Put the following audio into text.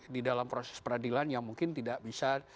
di dalam proses peradilan yang mungkin tidak bisa